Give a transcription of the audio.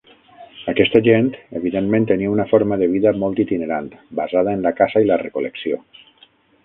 Aquesta gent evidentment tenia una forma de vida molt itinerant basada en la caça i la recol·lecció.